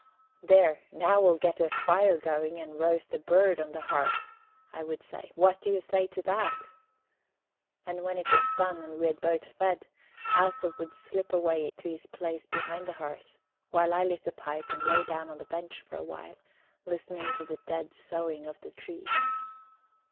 "There, now we'll get a fire going, and roast a bird on the hearth," I would say; "what do you say to that?" And when it was done, and we had both fed, Æsop would slip away to his place behind the hearth, while I lit a pipe and lay down on the bench for a while, listening to the dead soughing of the trees.